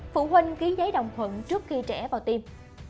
phụ huynh ký giấy đồng thuận trước khi trẻ vào tiêm